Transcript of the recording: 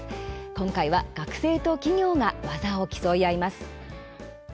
今回は学生と企業が技を競い合います。